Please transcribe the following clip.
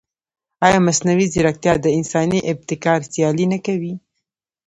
ایا مصنوعي ځیرکتیا د انساني ابتکار سیالي نه کوي؟